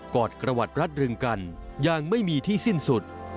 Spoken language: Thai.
อดกระหวัดรัดรึงกันยังไม่มีที่สิ้นสุด